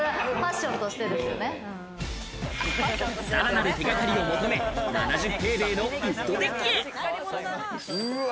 さらなる手掛かりを求め、７０平米のウッドデッキ。